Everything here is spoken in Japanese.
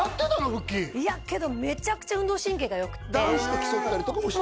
腹筋いやけどめちゃくちゃ運動神経がよくって男子と競ったりとかもしてた？